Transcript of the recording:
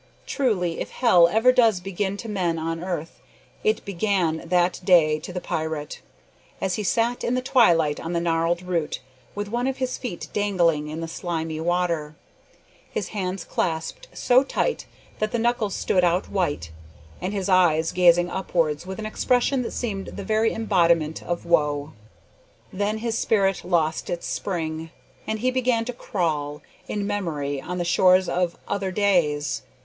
Truly, if hell ever does begin to men on earth, it began that day to the pirate, as he sat in the twilight on the gnarled root, with one of his feet dangling in the slimy water, his hands clasped so tight that the knuckles stood out white, and his eyes gazing upwards with an expression that seemed the very embodiment of woe. Then his spirit lost its spring, and he began to crawl, in memory, on the shores of "other days."